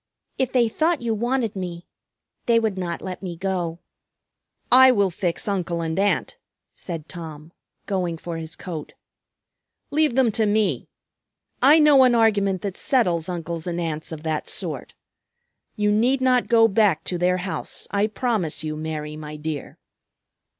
If they thought you wanted me, they would not let me go." "I will fix Uncle and Aunt," said Tom, going for his coat. "Leave them to me. I know an argument that settles uncles and aunts of that sort. You need not go back to their house, I promise you, Mary, my dear."